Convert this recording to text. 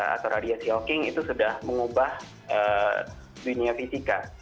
atau radiasi yoking itu sudah mengubah dunia fisika